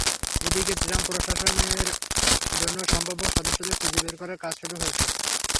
এদিকে ট্রাম্প প্রশাসনের জন্যও সম্ভাব্য সদস্যদের খুঁজে বের করার কাজ শুরু হয়েছে।